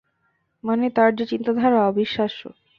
মানে, তার যে চিন্তাধারা, অবিশ্বাস্য।